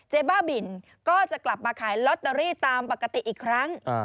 บ้าบินก็จะกลับมาขายลอตเตอรี่ตามปกติอีกครั้ง